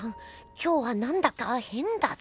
今日はなんだかへんだぞ。